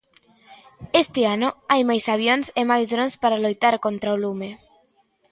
Este ano hai máis avións e máis drons para loitar contra o lume.